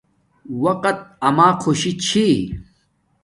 وقت اما خوشی چھی